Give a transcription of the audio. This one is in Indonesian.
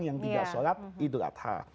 yang tidak sholat idul adha